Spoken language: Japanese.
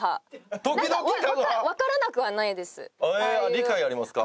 理解ありますか？